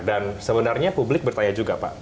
dan sebenarnya publik bertanya juga pak